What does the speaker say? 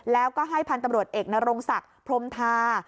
แล้วก็ให้พันธุ์ตำรวจเอกนรงศักดิ์พรมทา